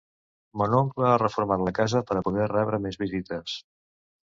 Mon oncle ha reformat la casa per a poder rebre més visites.